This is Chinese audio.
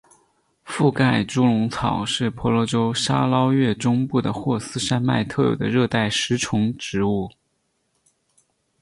附盖猪笼草是婆罗洲沙捞越中部的霍斯山脉特有的热带食虫植物。